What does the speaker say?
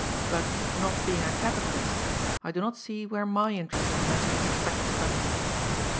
But, not being a capitalist, I do not see where my interest in the matter is expected to come in."